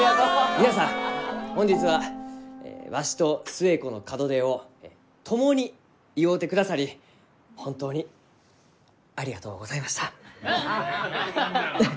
皆さん本日はわしと寿恵子の門出を共に祝うてくださり本当にありがとうございました。